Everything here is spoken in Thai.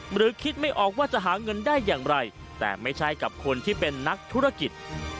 หรือคิดไม่ออกว่าจะหาเงินได้อย่างไรแต่ไม่ใช่กับคนที่เป็นนักธุรกิจ